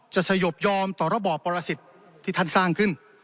สยบยอมต่อระบอบปรสิทธิ์ที่ท่านสร้างขึ้น